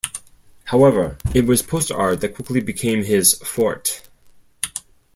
However, it was poster art that quickly became his "forte".